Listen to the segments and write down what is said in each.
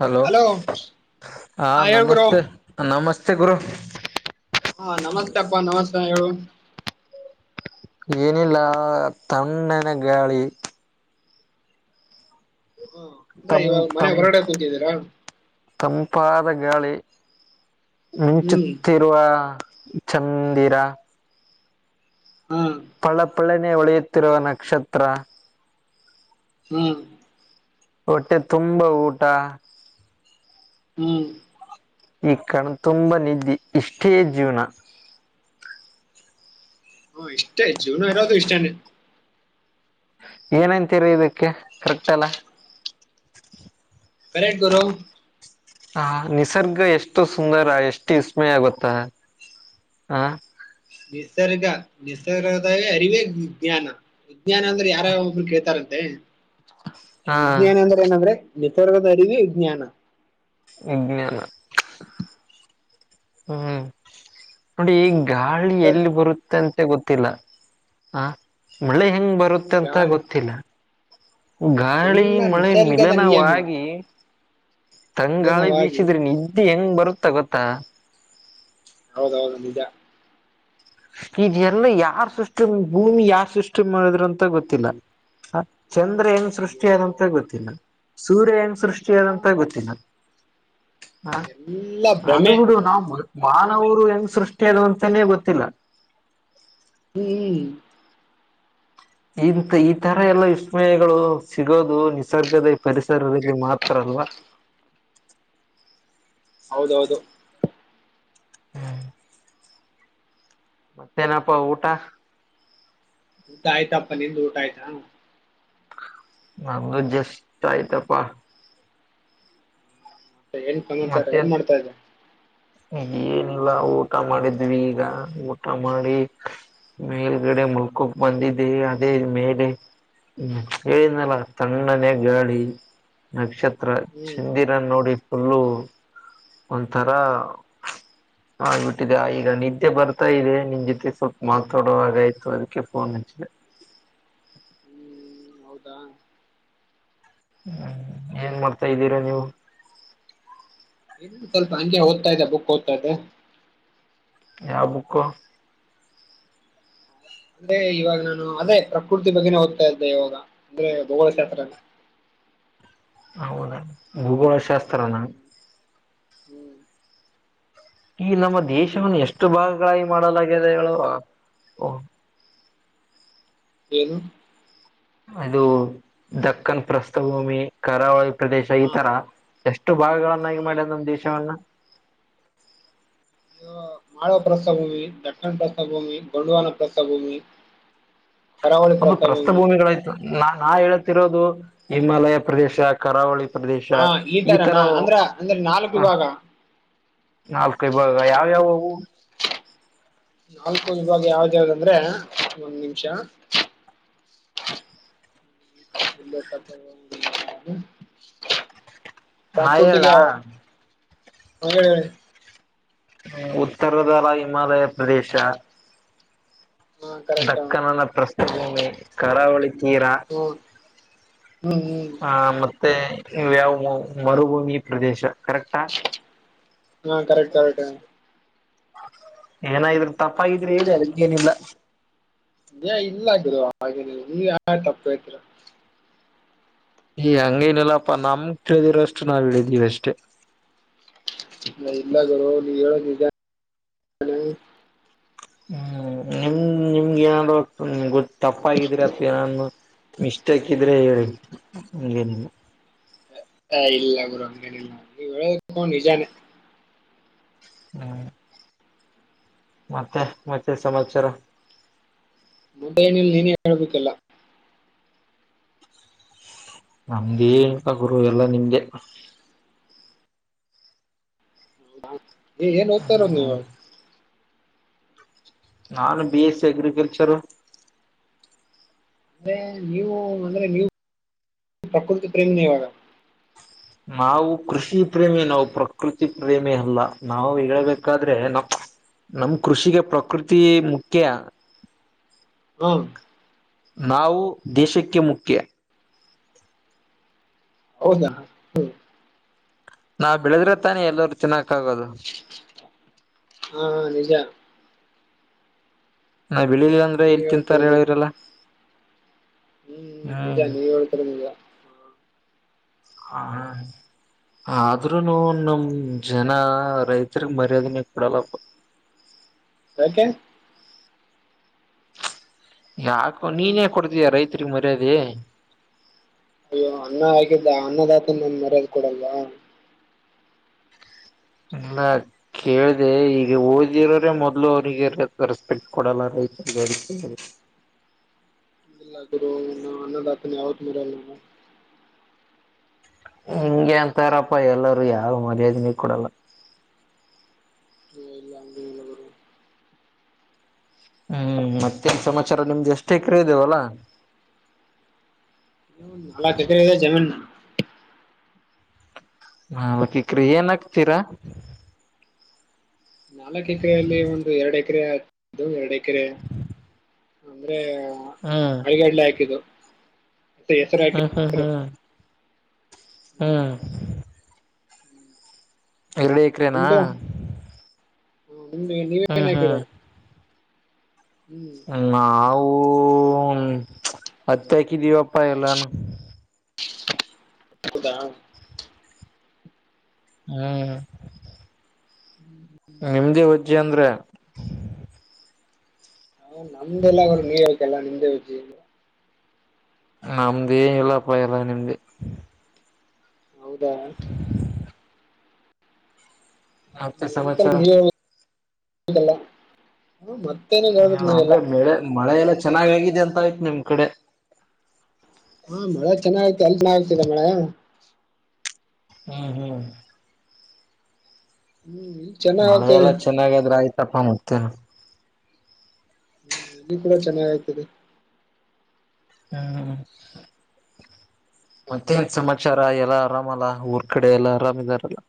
Hello ಹಾ ಹೇಳ್ ಗುರು ನಮಸ್ತೆ ನಮಸ್ತೆ ಗುರು ಹಾ ನಮಸ್ತೆ ಅಪ್ಪಾ ನಮಸ್ತೆ ಹೇಳು ಏನಿಲ್ಲ ತ್ಣನ ಗಾಳಿ ಹ ಅಂದ್ರೆ ತಂ ಇವಾಗ ಮನೆ ತಂ ಹೊರಗಡೆ ಕುಂತಿದ್ದೀರಾ ತಂಪಾದ ಗಾಳಿ ಹ್ಮ್ ಮಿಂಚುತ್ತಿರುವ ಚಂದಿರ ಹ್ಮ ಪಳ್ಳ ಪಳ್ಳನೇ ಉಳಿಯುತ್ತಿರುವ ನಕ್ಷತ್ರ ಹ್ಮ್ ಹೊಟ್ಟೆ ತುಂಬಾ ಊಟ ಹ್ಮ್ ಈ ಕಣ ತುಂಬಾ ನಿದ್ದೆ ಇಷ್ಟೇ ಜೀವನ ಇಷ್ಟ ಜೂನು ರತ್ತು ಇಷ್ಟಾನ ಏನಂತೀರಿ ಇದಕ್ಕೆ ಕರೆಕ್ಟ್ ಅಲ್ಲ ಕೇಕ್ಟ್ ಗುರೋ ಹ ನಿಸರ್ಗ ಎಷ್ಟು ಸುಂದರ ಎಷ್ಟು ವಿಸ್ಮಯ ಗೊತ್ತಾ ಹ ನಿಸರ್ಗ ನಿಸಿಸರ್ಗದವೇ ಅರಿವೇ ವಿಜ್ಞಾನ ವಿಜ್ಞಾನ ಅಂದ್ರೆ ಯಾರಾವ ಒಬ್ರು ಕೇಳ್ತಾರಂತೆ ಹಾ ವಿಜ್ಞಾನ ಅಂದ್ರೆ ಏನಂದ್ರೆ ನಿಸರ್ಗದ ಅರಿವಿ ವಿಜ್ಞಾನ ವಿಜ್ಞಾನ ಹ್ಮ್ ನೋಡಿ ಈ ಗಾಳಿ ನಿಸರ್ಗ ಎಲ್ಲಿ ಬರುತ್ತೆಂತ ಗೊತ್ತಿಲ್ಲ ಆ ಮಳೆ ಹೆಂಗ್ ಬರುತ್ತೆ ಅಂತ ಗಾಳಿ ಗೊತ್ತಿಲ್ಲ ಗಾಳಿ ಎಲ್ಲಾ ಮಳೆ ನಿಸರ್ಗದ ನಿಯಮ ಮಿಲನವಾಗಿ ತಂಗಾಳಿ ನಿಯಮವಾಗಿ ಬೀಸಿದ್ರಿ ನಿದ್ದೆ ಹೆಂಗ್ ಬರುತ್ತೆ ಗೊತ್ತಾ ಹೌದೌದು ನಿಜ ಇಲ್ಲ ಯಾರ್ ಸೃಷ್ಟಿ ಭೂಮಿ ಯಾರ್ ಸೃಷ್ಟಿ ಮಾಡಿದ್ರು ಅಂತ ಗೊತ್ತಿಲ್ಲ ಚಂದ್ರ ಹೆಂಗ್ ಅಯ್ಯೋ ಸೃಷ್ಟಿಯಾದಂತ ಗೊತ್ತಿಲ್ಲ ಸೂರ್ಯ ಹೆಂಗ್ ಸೃಷ್ಟಿಯಾದಂತ ಗೊತ್ತಿಲ್ಲ ಹ ಎಲ್ಲಾ ಅದು ಭ್ರಮೆ ಬಿಡು ನಾವು ಮಾನವರು ಹೆಂಗ್ ಸೃಷ್ಟಿ ಆದ್ವು ಅಂತನೇ ಗೊತ್ತಿಲ್ಲ ಹ್ಮ್ ಇಂತ ಈ ತರ ಎಲ್ಲ ವಿಸ್ಮಯಗಳು ಸಿಗೋದು ನಿಸರ್ಗದ ಪರಿಸತಿ ಮಾತ್ರ ಅಲ್ವಾ ಹೌದೌದು ಹ್ಮ್ ಮತ್ತೇನಪ್ಪ ಊಟ ಊಟ ಆಯ್ತಪ್ಪ ನಿಂದು ಊಟ ಆಯ್ತಾ ನಮ್ದು ಜಸ್ಟ್ ಆಯ್ತಪ್ಪಾ ಮತ್ತೆ ಏನ್ ಸಮಾಚಾರ ಏನ್ ಮತ್ತೇನ್ ಮಾಡ್ತಾಯಿದ್ರಿ ಏನಿಲ್ಲ ಊಟ ಮಾಡಿದ್ವಿ ಈಗ ಊಟ ಮಾಡಿ ಮೇಲ್ಗಡೆ ಮುಲ್ಕಕ್ಕೋ ಬಂದಿದ್ದೆನಿ ಅದೇ ಮೇಲೆ ಹ್ಮ್ ಹೇಳಿದ್ನಲ್ಲ ತಣ್ಣನೇ ಗಾಳಿ ನಕ್ಷತ್ರ ಹ್ಮ್ ಚಂದಿರನ್ ನೋಡಿ ಫುಲ್ಲು ಒಂಥರ ಆಬಿಟ್ಟಿದೆ ಈಗ ನಿದ್ದೆ ಬರ್ತಾ ಇದೆ ನಿನ್ ಜೊತೆ ಸ್ವಲ್ಪ ಮಾತಾಡೋಗ ಆಯ್ತು ಅದಕ್ಕೆ ಫೋನ್ [unintelligible] ಹ್ಮ್ ಹೌದಾ ಹ್ಮ್ ಏನ್ ಮಾಡ್ತಾ ಇದ್ದೀರಾ ನೀವು. ಸ್ವಲ್ಪ ಹಂಗೆ ಓದ್ತಾ ಇದೆ ಬುಕ್ ಓದ್ತಾಯಿದ್ದೆ. ಯಾವ ಬುಕ್ ಅಂದ್ರೆ ಇವಾಗ ನಾನು ಅದೇ ಪ್ರಕೃತಿ ಬಗ್ಗೆನೆ ಓದ್ತಾಯಿದೆ ಇದ್ದೆ ಇವಾಗ ಅಂದ್ರೆ ಭುಗೋಳ ಶಾಸ್ತ್ರ. ಹೌದ ಭೂಗೋಳಶಾಸ್ತ್ರನಾ. ಹ್ಮ್ ಈ ನಮ್ಮ ದೇಶವನ್ನು ಎಷ್ಟು ಭಾಗಗಳಾಗಿ ಮಾಡಲಾಗಿದೆ ಹೇಳುವ ಏನು ಇದು ದಕ್ಕನ್ ಪ್ರಸ್ಥಭೂಮಿ ಕರಾವಳಿ. ಪ್ರದೇಶ ಈ ಹ ತರ ಎಷ್ಟು ಭಾಗಗಳನ್ನಾಗಿ ಹ ಮಾಡ್ಯದ ನಮ್ಮ ದೇಶವನ್ನ. [unintelligible] ಮಾಳವ ಪ್ರಸ್ತಾಭೂಮಿ ದಕ್ಷಣ ಪ್ರಸ್ತಾಭೂಮಿ ಗೊಂಡುವಾನ ಪ್ರಸ್ತಾಭೂಮಿ. ಒಂದು ಪ್ರಸ್ಥ ಭೂಮಿಗಳಾಯ್ತು ನಾ ನಾ ಹೇಳತಿರೋದು ಹಿಮಾಲಯ ಪ್ರದೇಶ ಕರಾವಳಿ ಪ್ರದೇಶ ಹಾ ಈ ಈತರ ತರನಾ ಅಂದ್ರ ಅಂದ್ರೆ ನಾಲ್ಕು ಹ ವಿಭಾಗ ನಾಲ್ಕೈ ಭಾಗ ಯಾವ ಯಾವವು ನಾಲ್ಕು ವವಿಭಾಗ ಯಾವ್ದ ಯಾವ್ದಂದ್ರೆ ಒಂದ್ ನಿಮಿಷ [inaudible] [unintelligible] ನಾ ಹೇಳ ಹಾ ಹೇಳಿ ಉತ್ತರದ ಹಿಮಾಲಯ ಪ್ರದೇಶ ಹಾ ಕರೆಕ್ಟ್ ದಕ್ಕನನ ಪ್ರಸ್ತ ವಿಮೆ ಕರಾವಳಿ ತೀರ ಹ್ಮ್ ಹ್ಮ್ ಹ್ಮ ಮತ್ತ ಇವುಯವು ಮರುಭೂಮಿ ಪ್ರದೇಶ ಕರೆಕ್ಟಾ ಹಾ ಕರೆಕ್ಟ್ ಕರೆಕ್ ಏನಾಗ್ರರು ತಪ್ಪಾಗಿದ್ರೆ ಹೇಳಿ ಅದಕ್ಕೇನಿಲ್ಲ ಏ ಇಲ್ಲಗ ಹಾಗೆ ನೀವ ಯಾ ತಪ್ಪತರಾ ಹಂಗೇನಿಲ್ಲಪ್ಪ ನಮ ಕೇಳಿದಿರಷ್ಟು ನಾವ ಇಡಿದೀವಿ ಅಷ್ಟೇ ಹೇ ಇಲ್ಲ ಗುರು ನೀನು ಹೇಳುದು ನಿಜಾನೇ ಹ್ಮ್ ನಿಮ ನಿಮ್ಗೆ ಏನಾದ್ ಗೊ ಟಫ್ ಆಗಿದ್ರೆ ಅಥ ಏನು ಮಿಸ್ಟೇಕ್ ಇದ್ರೆ ಹೇಳಿ ಹಗೆ ಹ ಇಲ್ಲ ಗುರು ಹಂಗೇನಿಲ್ಲ ನೀವ್ ಹೇಳದೊಂಡ ನಿಜಾನೇ ಹ್ಮ್ [inaudible] ಮತ್ತೆ ಮತ್ತೆ ಸಮಾಚಾರ ಮುದೆ ನಿಲ್ಲ ನೀನೇ ಹೇಳ್ಬೇಕಲ್ಲ ನಮ್ದೇಳ್ತ ಗುರು ಎಲ್ಲಾ ನಿಮ್ಗೆ ಏನ್ ಓದ್ತಾ ಇರೋದು ಹ್ಮ್ ನೀವು ನಾನು ಬಿ ಎಸ್ ಸಿ ಅಗ್ರಿಕಲ್ಚರ್ ಅಂದ್ರೆ ನೀವು ಮನೆಯಲಿ ಪ್ರಕೃತಿ ಪ್ರೇಮ್ನ ಇವಾಗ ನಾವು ಕೃಷಿ ಪ್ರೇಮಿ ನಾವು ಪ್ರಕೃತಿ ಪ್ರೇಮಿ ಅಲ್ಲ ನಾವು ಹೇಬೇಕಾದ್ರೆ ನಮ್ ನಮ್ ಕೃಷಿಗೆ ಪ್ರಕೃತಿ ಮುಖ್ಯ ಹ್ಮ ನಾವು ದೇಶಕ್ಕೆ ಮುಖ್ಯ ಹೌದಾ ಹ ನಾವ್ ಬೆಳೆದಿರ ತಾನೇ ಎಲ್ಲೂ ತಿನ್ನಕ್ ಆಗೋದು ಹಾ ನಿಜ ನಾ ಬೆಳಿಲಿಲ್ಲ ಅಂದ್ರೆ ನೀವ್ ಎಲ್ಲಿ ತಿಂತಾರೆ ಹೇಳಿದರಲ್ಲಾ ಹ್ಮನಿಜ ನೀವ ಹೇಳ್ತರ ನಿಜ ಹಾ ಹ ಆದ್ರೂನು ನಮ್ ಜನ ರೈತರ್ಗ್ ಮರ್ಯಾದನೆ ಕೊಡಲ್ಲಪ್ಪ [inaudible] ಓಕೆ ಯಾಕೋ ನೀನೇ ಕೊಡ್ತೀಯ ರೈತರಿಗ್ ಮರ್ಯಾದಿ ಅಯ್ಯೋ ಅನ್ನ ಹಾಕಿದ್ದ ಅನ್ನದಾತನ ಮರ್ಯದ್ ಕೊಡಲ್ವಾ ಹ್ಮಲ್ಲಾ ಕೇಳ್ದ ಈಗ ಓದಿರೋರೆ ಮೊದ್ಲು ಅವ್ರಿಗೆ ರೆಸ್ಪೆಕ್ಟ್ ಕೊಡಲ್ಲ ರೈತ [inaudible] ಇಲ್ಲ ಗುರು ಅನ್ನದತನ ಯಾವತ್ ಮರಲ್ಲ ಹಿಂಗಗೆ ಅಂತಾರಪ್ಪ ಎಲ್ಲರುೂ ಯಾವ ಮರ್ಯಾದೆ ನೀ ಕೊಡಲ್ಲ ನಾವು ಇಲ್ಲ ಹಂಗೆ ಇಲ್ಲ ಗುರು ಹ್ಮ್ ಮತ್ತೆನ್ ಸಮಾಚಾರ ನಿಮ್ದ ಎಷ್ಟ ಎಕರೆ ಇದೆ ಹೊಲ ಎ ಜಮೀನ್ ನಾಲ್ಕು ಎಕರೆ ಎನ್ ಹಾಕ್ತೀರಾ ನಾಲ್ಕು ಎಕರೆಯಲ್ಲಿ ಒಂದು ಎರಡು ಎಕರೆು ಎರಡು ಎಕರೆ ಅಂದ್ರೆ ಹ್ಮ್ [unintelligible] ಮತ್ತೆ ಹೆಸರು ಹಾಕಿ ಹ್ಮ್ ಹ್ಮ್ ಹೆಸರು ಹ್ಮ್ ಹ್ಮ್ ಹ್ಮ್. ಎರಡು ಎಕರೆನಾ ನಿಮ ನೀವ ಹ್ಮ್ ಏನ್ತೀರಾ ಹ್ಮ ಅತ್ಯ ಕ ದವಪ್ಪ ಎಲ್ಲಾನ ಹೌದ ಹ್ಮ್ ಜಅಂದ್ರೆ ಹಾ ನಮ್ದೆಲ್ಲ ಅವರು ನೀರ್ ಹೋಗತಲ್ಲಾ ನಿಮ್ದೇ ಹಿ ನಮ್ದೇನ್ ಇಲ್ಲಪ್ಪ ಎಲ್ಲ ನಿಮ್ದೇ ಹೌದಾ ಮತ್ತೆ ಸಮಾಚಾರ ಏನಿಲ್ಲ ಮತ್ತೆ ಹ ಅಂದ್ರೆ ಬೆಳೆ ಮಳೆ ಎಲ್ಲಾ ಚೆನ್ನಾಗ್ ಆಗಿದೆ ಅಂತ ಆಯತು ನಿಮ್ ಕಡೆ ಹಾ ಮಳೆ ಚೆನ್ನಾಗತಿ ಅಲ್ ಚಗ ಆಗ್ತಿದೆ ಮಳೆ ಹ್ಮ್ ಹ್ಮ್ ಹ್ಮ್ ಇಲ್ಲಿ ಚೆನ್ನಾಗ್ ಮಳವೆ ಆಗ್ತಿದೆ ಎಲ್ಲ ಚೆನ್ನಾಗಾದ್ರೆ ಆಯ್ತಪ್ಪ ಮತ್ತೆ ಹ್ಮ್ ಇ ಕೂಡ ಚೆನ್ನಾಗಯ್ತದೆ ಹ್ಮ ಮತ್ತೆ ಸಮಾಚಾರ ಎಲ್ಲಾ ಆರಾಮಲ್ಲ ಊರ್ ಕಡೆ ಎಲ್ಲಾ ಆರಾಮ ಇದಿದಾರಲ್ಲ [inaudible]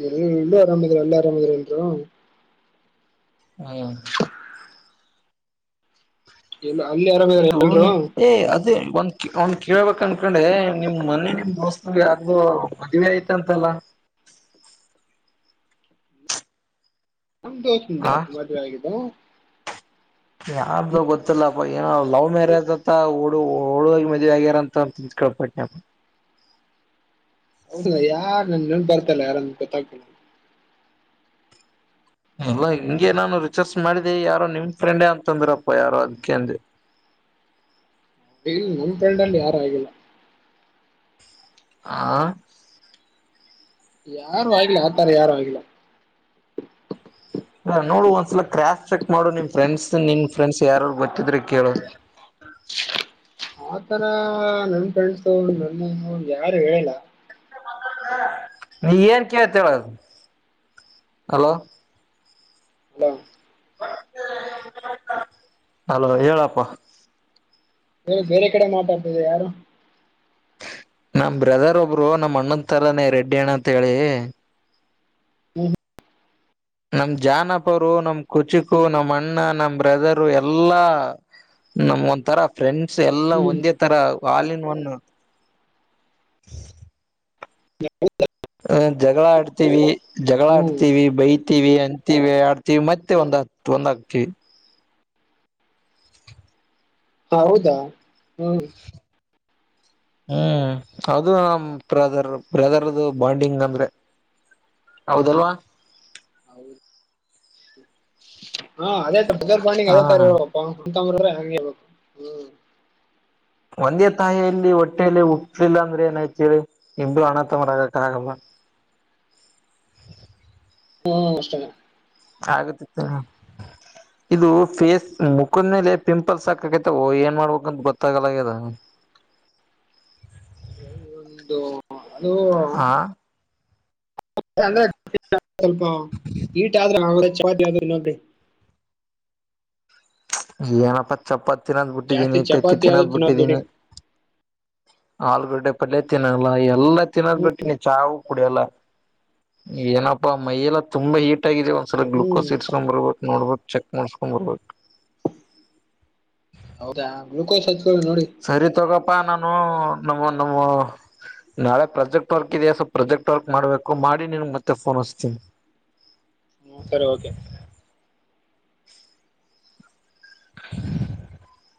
ಲ್ಲ ಎಲ್ಲೂ ಆರಾಮದರು ಅಲ್ಲ ಆರಾಮದರುಂದ ಹ್ಮ ಎಲ್ಲ ಅಲ್ಲಿ ಆರಾಮಿದ್ರ ಎಲ್ರು ಇದುಏ ಅದೇ ಒ ಅವ್ನ್ ಕೇಳ್ಬೇಕ ಅನ್ಕೊಂಡೆ ನಿಮ್ ಮನೆ ನಿಮ್ ದೋಸ್ತ ಯಾರ್ದು ಮದ್ವೆ ಆಯ್ತು ಅಂತಲ್ಲ [inaudible] ನಮ ದೋಸ್ತನ ಆ ಮದ್ವೆ ಆಗಿದೆ ಯಾವ್ದ ಗೊತ್ತಿಲ್ಲ ಏನ ಲವ್ ಮ್ಯಾರೇಜ್ ಅತ್ತ ಓಡು ಹಓಡು ಮದಿ ಆಗ್ಯಾರ ಅಂತಂತ ತಿಕೇಳ್ಪಟ್ನೆ [inaudible] ಹೌದ ಯಾ ನನ್ ನ ಬರ್ತಲ್ಲ ಯಾರಂದ ಗೊತ್ತಾಗ್ತ ಎಲ್ಲ ಹಿಂಗೆ ನಾನು ರಿಚರ್ಚ್ ಮಾಡಿದೆ ಯಾರೋ ನಿಮ್ ಫ್ರೆಂಡೇ ಅಂತಂದ್ರಪ್ಪ ಯಾರೋ ಅದ್ಕಂದ ಹ್ಮ ಇ ನಮಡಲ್ಲಿ ಯಾರು ಆಗಿಲ್ಲ ಆ ಯಾರು ಆಗಿಲ್ಲ ಆತರ ಯಾರು ಆಗಿಲ್ಲ ಹ ನೋಡು ಒಂದ್ಸಲ ಕ್ರಾಶ್ ಚೆಕ್ ಮಾಡು ನಿಮ್ ಫ್ರೆಂಡ್ಸ್ ನಿಮ್ ಫ್ರೆಂಡ್ಸ್ ಯಾರಾರು ಗೊತ್ತಿದ್ರೆ ಕೇಳು [inaudible] ಆತರ ನನ್ ಫ್ರೆಂಡ್ಸ್ ಅವರು ನನ್ನನೋ ಯಾರು ಹೇಳಲ್ಲ ನೀ ಏನ್ ಕೇಳ್ತ ಹೇಳದು ಅಲೋ ಹಲೋ ಅಲೋ ಹೇಳಪ್ಪ ಬೇರೆ ಕಡೆ ಮಾತಾಡ್ತಿದೆ ಯಾರು ನಮ್ಮ್ ಬ್ರದರ್ ಒಬ್ರು ನಮ್ ಅಣ್ಣನ್ ತರಾನೇ ರೆಡ್ಡಿ ಣ ಅಂತ ಹೇಳಿ ಹ್ಮ ಹ ನಮ ಜಾನಪರು ನಮ್ ಕುಚಕು ನಮ್ ಅಣ್ಣ ನಮ ಬ್ರದರು ಎಲ್ಲಾ ನಮ್ ಒಂಥರ ಫ್ರೆಂಡ್ ಎಲ್ಲಾ ಹ್ಮ್ ಒಂದೇ ತರ ಹಾಲಿನ ಒವನ್ನು ಹ ಹ ಜಗಳ ಆಡ್ತೀವಿ ಜಗಳ ಹ್ಮ್ ಆಡ್ತೀವಿ ಬೈ ಹವಿ ಅಂತೀವಿ ಆಡ್ತೀವಿ ಮತ್ತೆ ಒಂದ್ ಒಂದ್ ಹಕ್ತಿವಿ ಹ ಹೌದಾ ಹ್ಮ್ ಹ್ಮ್ ಅದು ಬ್ರದರ್ ಬ್ರದರ್ದು ಬಾಂಡಿಂಗ್ ಅಂದ್ರೆ ಹೌದಲ್ವಾ ಹೌದು ಹಾ ಅದೇ ಬದರ್ಪಾಣಿಗೆ ಹಾ ಅದೇ ತರಪಾ [unintelligible] ಹಂಗಿರ್ಬೇಕು ಹ್ಮ್ ಒಂದೇ ತಾಯಿಯ ಇಲ್ಲಿ ಹೊಟ್ಟೇೆಯಲ್ಲಿ ಹಟ್ಲಿಲ್ಲ ಅಂದ್ರೆ ಏನಾಯ್ತಿರಿ ಇಮರು ಅಣ ತಮರ ಆಗಕ ಆಗಲ್ಲ [inaudible] ಹ್ಮ ಅಷ್ಟ ಆಗುತ್ತಿತ್ತು ಇದು ಫೇಸ್ ಮುಖದ ಮೇಲೆ ಪಿಂಪಲ್ಸ್ ಹಕಕೈತ ಏನ್ ಮಾಡ್ಬೇಕಂತ ಗೊತ್ತಾಗಲ್ಲಾಗದ ಹ ಒಂದು ಅದು ಆ [unintelligible] ಏನಪ್ಪ ಚಪ್ಪತ್ ತಿನೋದ್ ಬಿಟ್ಟಿದ್ದೀನಿ ಜಾಸ್ತಿ ಇತ್ತ ಇತ್ತಿ ಚಪಾತಿ ಆದ್ರೂ ತಿನೋದ್ ತಿನ್ನೋದ್ ಬಿಡಿ ಬಿಟ್ಟಿದ್ದೀನಿ ಆಲೂಗಡ್ಡೆ ಪಲ್ಯ ತಿನ್ನಲ್ಲ ಎಲ್ಲಾ ತಿನ್ನೋದ್ ಹ್ಮ್ ಬಿಟ್ಟ ನೀ ಚಾಹ ಕುಡಿಯಲ್ಲ ಏನಪ್ಪಾ ಮೈಯೆಲ್ಲ ತುಂಬಾ ಹೀಟ್ ಆಗಿದೆ ಒಂದ್ಸಲ ಹ್ಮ್ ಗ್ಲುಕೋಸ್ ಇರ್ಸ್ಕೊಂಡ್ ಬರ್ಬತ್ ನೋಡ್ಬೋು ಚೆಕ್ ಮಾಡಸ್ಕೊಂಡ್ ಬರ್ಬೇಕು ಹೌದಾ ಗ್ಲಲುಕೋಸ್ ಸರಿ ತಗಪ್ಪಾ ನಾನು ನಮ್ಮ ನಮ್ಮ ನಾಳೆ ಪ್ರಾಜೆಕ್ಟ್ ವರ್ಕ್ ಇದೆಯ ಸೊ ಪ್ರಾಜೆಕ್ಟ್ ವರ್ಕ್ ಮಾಡ್ಬೇಕು ಮಾಡಿ ನಿನ್ ಮತ್ತೆಫೋನ್ ಹೊಿಸ್ತೀನಿ ಹ್ಮ ಹ್ಮ ಸರಿ ಓಕೆ [inaudible]